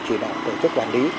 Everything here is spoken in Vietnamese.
chỉ đạo tổ chức quản lý